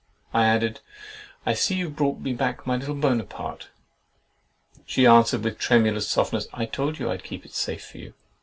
I added—"I see you've brought me back my little Buonaparte"—She answered with tremulous softness—"I told you I'd keep it safe for you!"